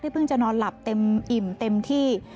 เพิ่งจะนอนหลับเต็มอิ่มเต็มที่